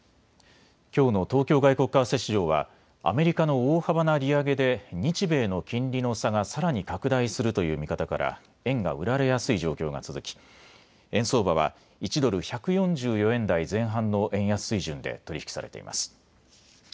きょうの東京外国為替市場はアメリカの大幅な利上げで日米の金利の差がさらに拡大するという見方から円が売られやすい状況が続き、円相場は１ドル１４４円台前半の円安水準で取り引きされています。